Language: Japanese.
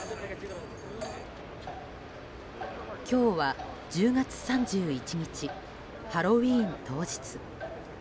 今日は１０月３１日ハロウィーン当日。